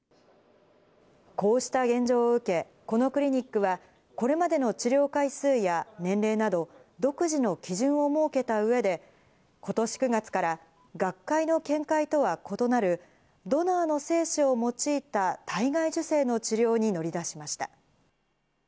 こうした現状を受け、このクリニックは、これまでの治療回数や年齢など、独自の基準を設けたうえで、ことし９月から、学会の見解とは異なるドナーの精子を用いた体外受精の治療に乗り出しました。